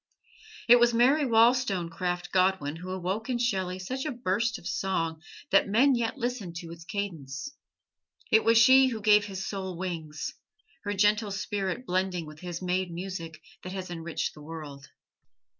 It was Mary Wollstonecraft Godwin who awoke in Shelley such a burst of song that men yet listen to its cadence. It was she who gave his soul wings: her gentle spirit blending with his made music that has enriched the world.